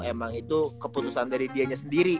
emang itu keputusan dari dianya sendiri